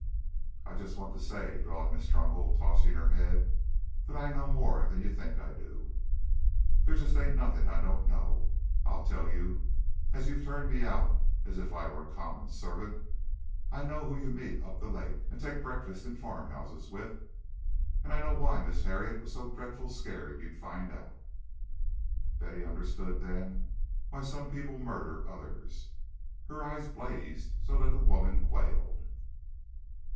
"I just want to say," drawled Miss Trumbull, tossing her head, "that I know more'n you think I do. There just ain't nothin' I don't know, I'll tell you, as you've turned me out as if I was a common servant. I know who you meet up the lake and take breakfast in farmhouses with, and I know why Miss Harriet was so dreadful scared you'd find out " Betty understood then why some people murdered others. Her eyes blazed so that the woman quailed.